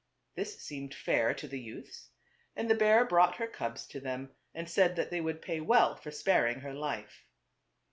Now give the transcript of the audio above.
,? This seemed fair to the youths ; and the bear brought her cubs to them and said that they would pay well for sparing her life.